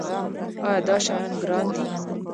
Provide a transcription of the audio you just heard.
ایا دا شیان ګران دي؟